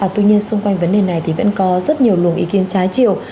tuy nhiên xung quanh vấn đề này thì vẫn có rất nhiều luồng ý kiến trái chiều